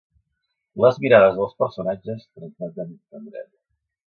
Les mirades dels personatges transmeten tendresa.